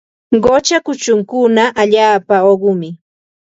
Qucha kuchunkuna allaapa uqumi.